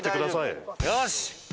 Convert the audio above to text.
よし！